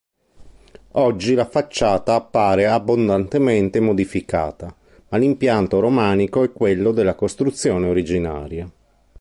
Oggi la facciata appare abbondantemente modificata, ma l'impianto romanico è quello della costruzione originaria.